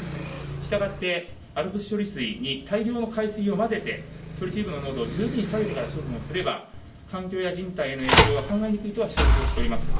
したがって、ＡＬＰＳ処理水に大量の海水を混ぜて、トリチウムの濃度を十分に下げてから、処分をすれば、環境や人体への影響は考えにくいとは承知をしております。